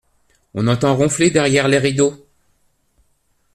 On entend ronfler derrière les rideaux.